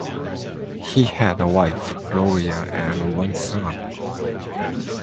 He had a wife, Gloria, and one son.